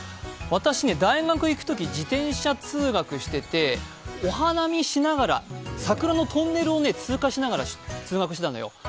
私ね、大学に行くとき自転車通学していてお花見しながら、桜のトンネルを通過しながら通学してたんだよ